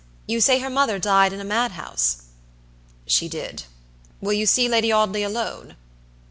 You say her mother died in a madhouse?" "She did. Will you see Lady Audley alone?"